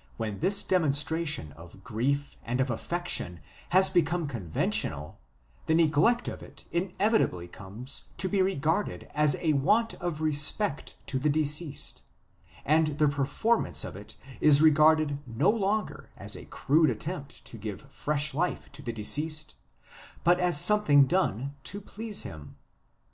... When this demonstration of grief and of affection has become conven tional, the neglect of it inevitably comes to be regarded as a want of respect to the deceased, and the performance of it is regarded no longer as a crude attempt to give fresh life to the deceased, but as something done to please him."